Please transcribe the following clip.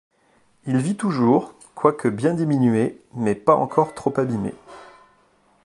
Il vit toujours quoique bien diminué mais pas encore trop abîmé.